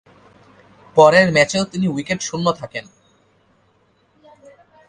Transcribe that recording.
পরের ম্যাচেও তিনি উইকেট শুন্য থাকেন।